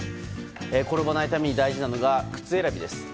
転ばないために大事なのが靴選びです。